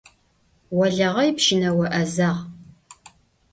Олэгъэй пщынэо lэзагъ